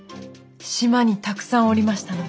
島にたくさんおりましたので。